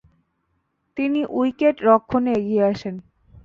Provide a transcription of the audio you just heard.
তিনি উইকেট-রক্ষণে এগিয়ে আসেন।